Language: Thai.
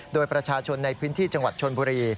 โดยประชาชนในพื้นที่จังหวัดชนบุรี